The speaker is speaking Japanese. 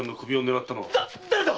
だ誰だ